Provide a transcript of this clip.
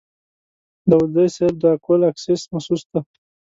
داوودزی صیب د اکول اکسیس مسوول دی.